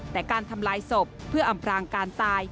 แต่การทำลายศพเพื่ออำพรางการตาย